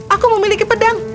aku memiliki pedang